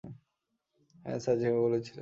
হ্যাঁ স্যার, যেভাবে বলেছিলেন।